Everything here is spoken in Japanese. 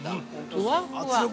ふわふわ。